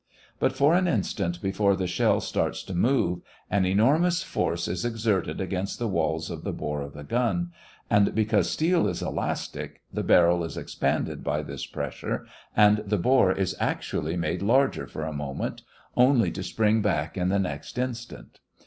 But for an instant before the shell starts to move, an enormous force is exerted against the walls of the bore of the gun, and, because steel is elastic, the barrel is expanded by this pressure, and the bore is actually made larger for a moment, only to spring back in the next instant.